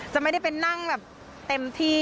จะไม่ได้ไปนั่งแบบเต็มที่